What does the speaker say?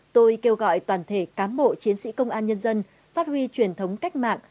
tôi kêu gọi toàn thể cán bộ chiến sĩ công an nhân dân phát huy truyền thống cách mạng